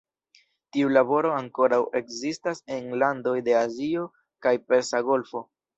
Tiu laboro ankoraŭ ekzistas en landoj de Azio kaj Persa Golfo.